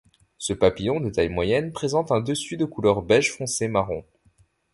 Ce papillon de taille moyenne présente un dessus de couleur beige foncé marron.